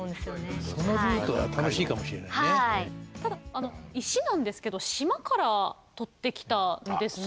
あの石なんですけど島から採って来たんですね